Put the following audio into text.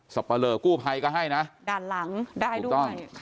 ปะเลอกู้ภัยก็ให้นะด้านหลังได้ด้วย